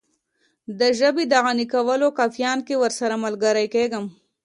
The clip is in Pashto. د ژبې د غني کولو کمپاین کې ورسره ملګری کیږم.